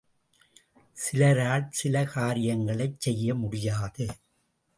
சிலரால் சில காரியங்களைச் செய்ய முடியாது.